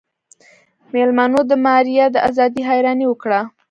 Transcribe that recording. مېلمنو د ماريا د ازادۍ حيراني وکړه.